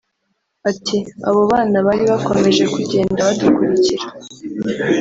Ati “Abo bana bari bakomeje kugenda badukurikira